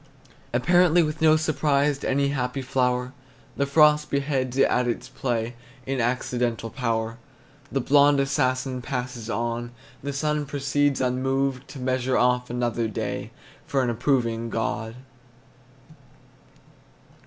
Apparently with no surprise To any happy flower, The frost beheads it at its play In accidental power. The blond assassin passes on, The sun proceeds unmoved To measure off another day For an approving God.